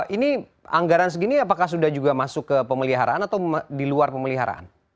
ini anggaran segini apakah sudah juga masuk ke pemeliharaan atau di luar pemeliharaan